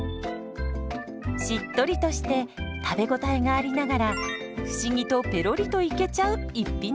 しっとりとして食べ応えがありながら不思議とペロリといけちゃう逸品です。